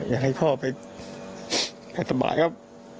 อยากให้พ่อไปให้สบายครับ